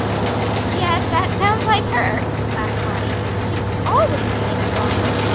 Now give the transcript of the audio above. "Yes, that sounds like her," laughed Lottie. "She's always getting the wrong word.